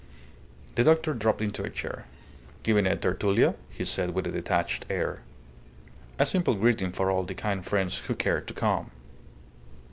The doctor dropped into a chair. "Giving a tertulia?" he said, with a detached air. "A simple greeting for all the kind friends who care to come."